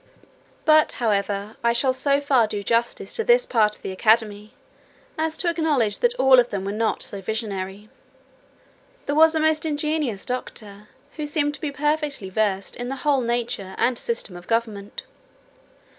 But, however, I shall so far do justice to this part of the Academy, as to acknowledge that all of them were not so visionary. There was a most ingenious doctor, who seemed to be perfectly versed in the whole nature and system of government.